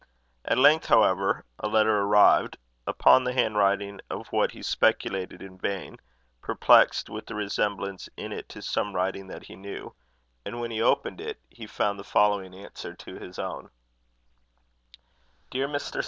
At length, however, a letter arrived, upon the hand writing of which he speculated in vain, perplexed with a resemblance in it to some writing that he knew; and when he opened it, he found the following answer to his own: "DEAR MR.